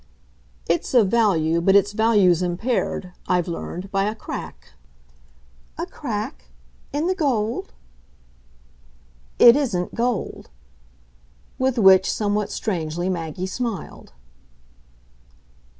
"It's of value, but its value's impaired, I've learned, by a crack." "A crack? in the gold ?" "It isn't gold." With which, somewhat strangely, Maggie smiled.